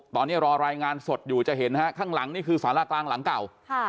ตอนนี้รอรายงานสดอยู่จะเห็นฮะข้างหลังนี่คือสาระกลางหลังเก่า